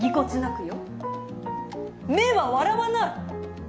目は笑わない！